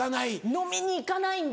飲みに行かないんで。